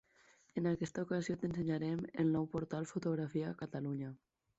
En aquesta ocasió t'ensenyem el nou portal Fotografia a Catalunya.